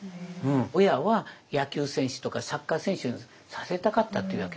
親は野球選手とかサッカー選手にさせたかったって言うわけ。